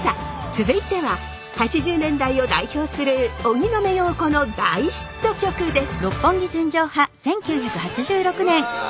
続いては８０年代を代表する荻野目洋子の大ヒット曲です！